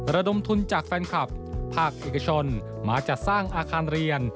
ระดมทุนจากแฟนคลับภาคเอกชนมาจัดสร้างอาคารเรียน